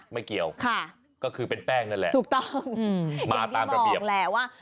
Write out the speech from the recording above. ไม่เกี่ยวค่ะก็คือเป็นแป้งนั่นแหละมาตามประเทียบถูกต้องอย่างที่บอกแล้วว่า